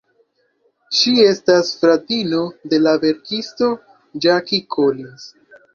Ŝi estas fratino de la verkisto Jackie Collins.